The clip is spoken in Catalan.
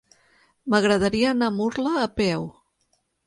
M'agradaria anar a Murla a peu.